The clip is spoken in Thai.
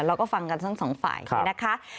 เราก็ฟังกันทั้งสองฝ่ายเนี่ยนะคะ